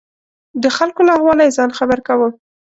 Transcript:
د خلکو له احواله یې ځان خبر کاوه.